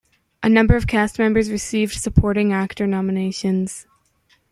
A number of cast members received supporting actor nominations.